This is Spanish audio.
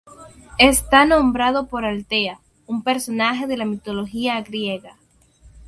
Está nombrado por Altea, un personaje de la mitología griega.